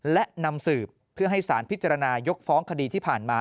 และนำสืบเพื่อให้สารพิจารณายกฟ้องคดีที่ผ่านมา